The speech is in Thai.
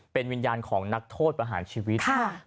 เป็นวิญญาณของนักโทษประหารชีวิต